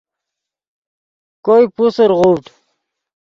کوئے پوسر غوڤڈ